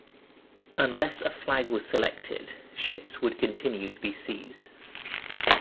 Unless a flag was selected, ships would continue to be seized.